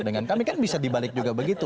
dengan kami kan bisa dibalik juga begitu